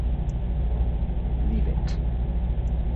Leave it.